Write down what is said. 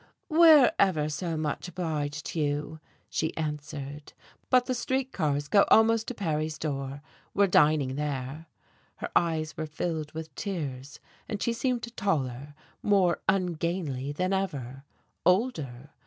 "We're ever so much obliged, Hugh," she answered, "but the street cars go almost to ferry's door. We're dining there." Her eyes were filled with tears, and she seemed taller, more ungainly than ever older.